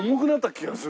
「“気がする”？」